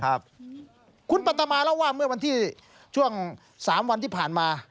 คุณปันธมาเล่าว่าเมื่อวันที่ช่วง๓วันที่ผ่านมา